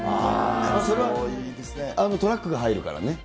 それはトラックが入るからね。